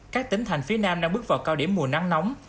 các tỉnh thành phía nam đang bước vào cao điểm mùa nắng nóng